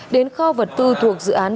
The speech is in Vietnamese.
đến kho vật tư thuộc dự án